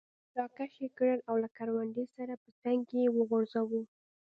را کش یې کړ او له کروندې سره په څنګ کې یې وغورځاوه.